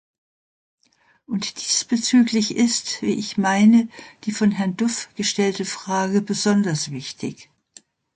Und diesbezüglich ist, wie ich meine, die von Herrn Duff gestellte Frage besonders wichtig.